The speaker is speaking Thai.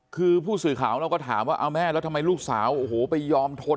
คือผู้สื่อข่าวเราก็ถามว่าเอาแม่แล้วทำไมลูกสาวโอ้โหไปยอมทน